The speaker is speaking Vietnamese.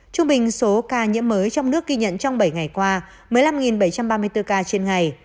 trung bình số ca nhiễm mới trong nước ghi nhận trong bảy ngày qua một mươi năm bảy trăm ba mươi bốn ca trên ngày